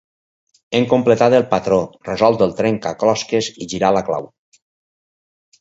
Hem completat el patró, resolt el trencaclosques i girat la clau.